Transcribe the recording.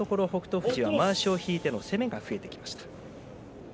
富士がまわしを引いての攻めが増えてきています。